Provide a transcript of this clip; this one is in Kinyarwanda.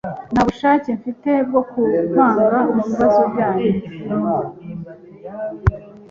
Nta bushake mfite bwo kwivanga mu bibazo byanyu.